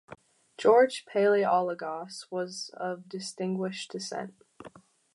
George Palaiologos was of distinguished descent.